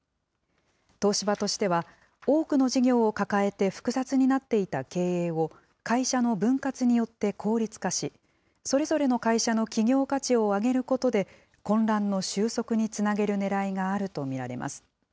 東芝としては、多くの事業を抱えて複雑になっていた経営を、会社の分割によって効率化し、それぞれの会社の企業価値を上げることで、混乱の収束につなげるねらいがあると見られます。